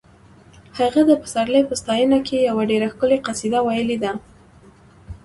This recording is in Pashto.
هغه د پسرلي په ستاینه کې یوه ډېره ښکلې قصیده ویلې ده